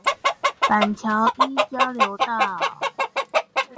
板橋一交流道